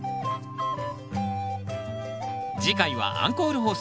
次回はアンコール放送。